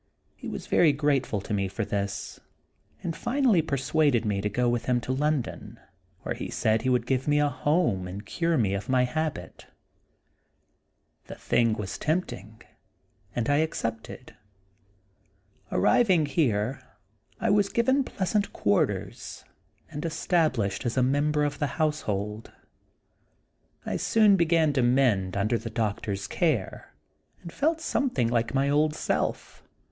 He was very grate ful to me for this ; and finally persuaded me to go with him to London, where he said Dr. Jekyll and Mr. Hyde. 33 he would give me a home, and cure me of my habit. The thing was tempting, and I accepted. Arriving here, I was given pleasant quarters, and established as a member of the household. I soon began to mend under the doctors care, and felt something like my old self.